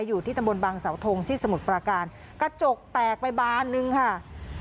อยู่ที่ตำบลบังเสาทงที่สมุทรปราการกระจกแตกไปบานนึงค่ะ